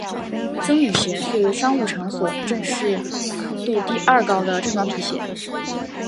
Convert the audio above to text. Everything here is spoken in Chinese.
僧侣鞋是商务场所正式度第二高的正装皮鞋。